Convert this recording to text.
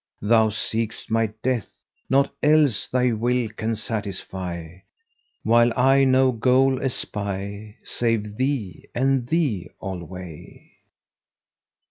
Thou seekst my death; naught else thy will can satisfy * While I no goal espy save thee and thee alway.